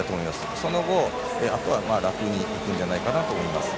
その後あとは楽にいくんじゃないかなと思います。